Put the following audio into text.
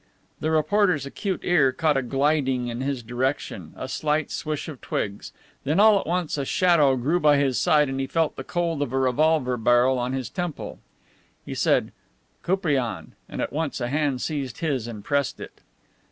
The reporter's acute ear caught a gliding in his direction, a slight swish of twigs; then all at once a shadow grew by his side and he felt the cold of a revolver barrel on his temple. He said "Koupriane," and at once a hand seized his and pressed it.